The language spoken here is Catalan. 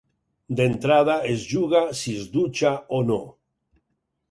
D'entrada, es juga si es dutxa o no.